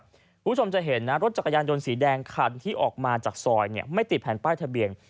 คุณผู้ชมจะเห็นนะรถจักรยานยนต์สีแดงคันที่ออกมาจากซอยไม่ติดแผ่นป้ายทะเบียน